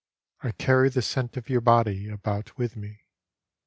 I carry the scent of your body about with me.